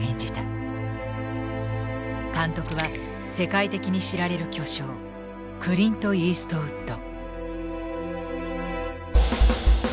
監督は世界的に知られる巨匠クリント・イーストウッド。